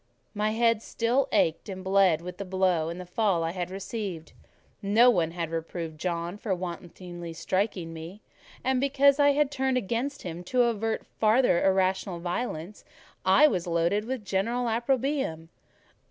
My head still ached and bled with the blow and fall I had received: no one had reproved John for wantonly striking me; and because I had turned against him to avert farther irrational violence, I was loaded with general opprobrium.